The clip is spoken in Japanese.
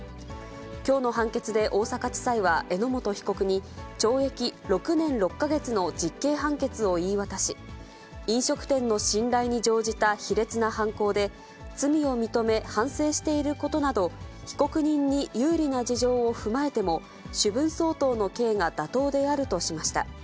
きょうの判決で大阪地裁は榎本被告に、懲役６年６か月の実刑判決を言い渡し、飲食店の信頼に乗じた卑劣な犯行で、罪を認め、反省していることなど、被告人に有利な事情を踏まえても、主文相当の刑が妥当であるとしました。